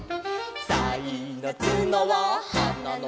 「さいのつのははなの上」